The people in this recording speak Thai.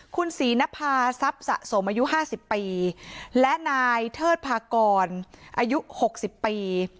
คุณศีนพาทรัพย์สะสมอายุห้าสิบปีและนายเทิดพากรอายุหกสิบปี